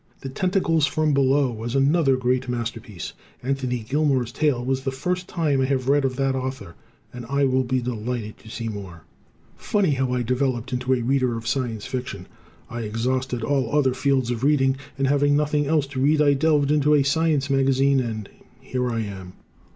"The Tentacles from Below" was another great masterpiece. Anthony Gilmore's tale was the first that I have read of that author, and I will be delighted to see more. Funny how I developed into a Reader of Science Fiction. I exhausted all other fields of reading, and having nothing else to read I delved into a science magazine and here I am.